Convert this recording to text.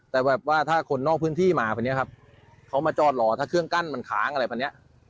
แต่แบบว่าถ้าคนนอกพื้นที่มาคนนี้ครับเขามาจอดรอถ้าเครื่องกั้นมันค้างอะไรแบบนี้